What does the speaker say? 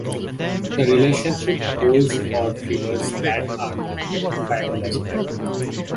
The relationship holds for figures that are not rectifiable as well.